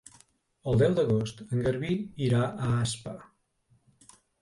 El deu d'agost en Garbí irà a Aspa.